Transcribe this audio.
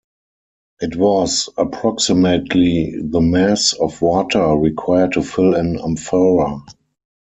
It was approximately the mass of water required to fill an amphora.